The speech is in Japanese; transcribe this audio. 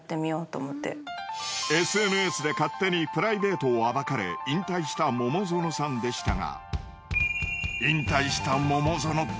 ＳＮＳで勝手にプライベートを暴かれ引退した桃園さんでしたが。